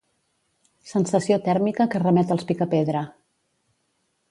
Sensació tèrmica que remet als Picapedra.